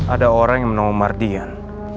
ada orang yang bernama mardian